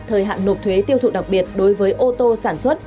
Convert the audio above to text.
thời hạn nộp thuế tiêu thụ đặc biệt đối với ô tô sản xuất